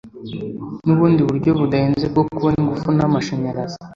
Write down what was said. n'ubundi buryo budahenze bwo kubona ingufu n'amashanyarazi.